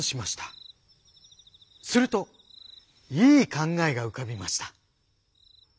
するといい考えが浮かびました。